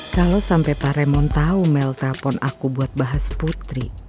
kalau sampai pak remon tahu mel telpon aku buat bahas putri